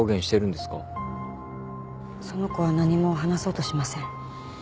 その子は何も話そうとしません。